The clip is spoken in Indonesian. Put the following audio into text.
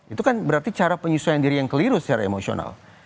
itu kan berarti cara penyesuaian diri yang keliru secara emosional